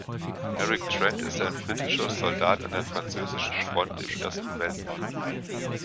Eric Trent ist ein britischer Soldat an der französischen Front im Ersten Weltkrieg.